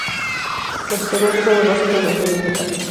Los instrumentos son los básicos del heavy metal.